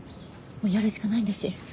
もうやるしかないんだし。